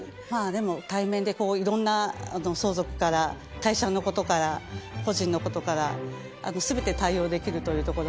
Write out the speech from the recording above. でも対面で色んな相続から会社の事から個人の事から全て対応できるというところで。